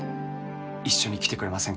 一緒に来てくれませんか？